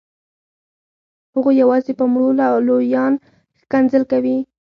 هغوی یوازې په مړو لویان ښکنځل کوي.